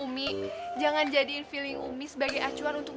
umi jangan jadiin feeling umi sebagai acuan untuk